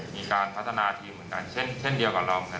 มีการพัฒนาทีมเหมือนกันเช่นเดียวกับเราค่ะ